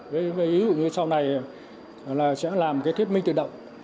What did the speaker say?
với ý dụ như sau này là sẽ làm thiết minh tự động